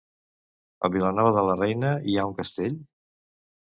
A Vilanova de la Reina hi ha un castell?